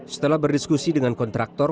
setelah berdiskusi dengan kontraktor